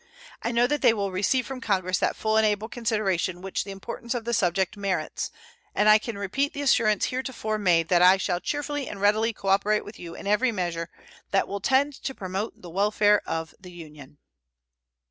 I know that they will receive from Congress that full and able consideration which the importance of the subjects merits, and I can repeat the assurance heretofore made that I shall cheerfully and readily cooperate with you in every measure that will tend to promote the welfare of the Union.